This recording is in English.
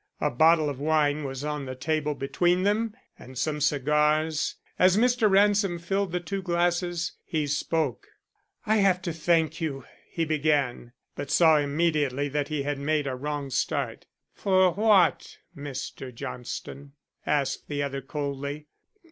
A bottle of wine was on the table between them, and some cigars. As Mr. Ransom filled the two glasses, he spoke: "I have to thank you " he began, but saw immediately that he had made a wrong start. "For what, Mr. Johnston?" asked the other coldly.